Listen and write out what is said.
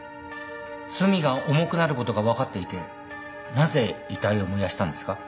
罪が重くなることが分かっていてなぜ遺体を燃やしたんですか。